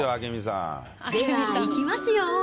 では、いきますよ。